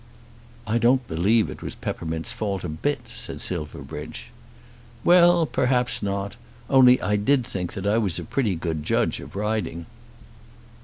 "I don't believe it was Peppermint's fault a bit," said Silverbridge. "Well; perhaps not. Only I did think that I was a pretty good judge of riding."